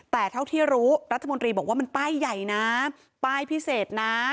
แต่เท่าที่รู้รัฐมนตรีบอกว่ามันป้ายใหญ่นะป้ายพิเศษนะ